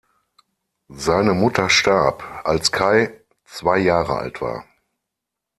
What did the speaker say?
Seine Mutter starb, als Kai zwei Jahre alt war.